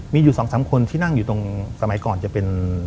มีอยู่๒๓คนที่นั่งอยู่ตรงสมัยก่อนจะเป็น